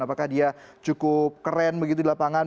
apakah dia cukup keren begitu di lapangan